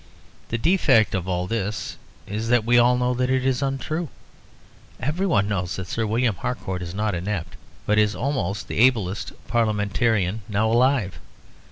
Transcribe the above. The defect of all that is that we all know that it is untrue. Everyone knows that Sir William Harcourt is not inept, but is almost the ablest Parliamentarian now alive.